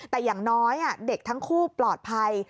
แต่อย่างน้อยเด็กทั้งคู่ปลอดภัย